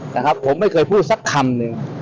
นะครับผมไม่เคยพูดสักคำหนึ่ง